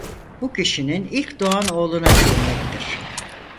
Bu kişinin ilk doğan oğluna değinmektir.